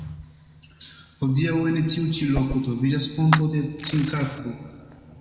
Hodiaŭ en tiu ĉi loko troviĝas fonto de trinkakvo.